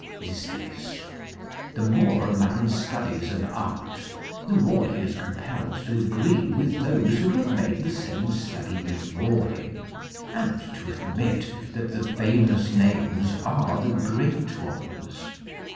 It is this : The more a man studies an art the more he is compelled to agree with those who have made the same study before him, and to admit that the famous names are the great ones.